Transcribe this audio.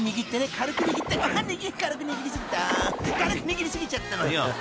軽く握り過ぎちゃったのよ］